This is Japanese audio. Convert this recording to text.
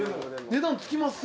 「値段つきますよ」